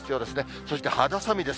そして肌寒いです。